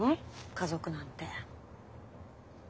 家族なんて。